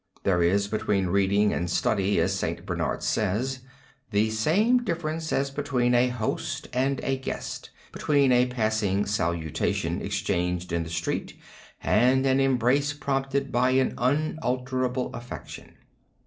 There is between reading and study, as St. Bernard says, the same difference as between a host and a guest, between a passing salutation exchanged in the street and an embrace prompted by an unalterable affection.